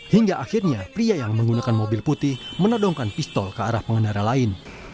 hingga akhirnya pria yang menggunakan mobil putih menodongkan pistol ke arah pengendara lain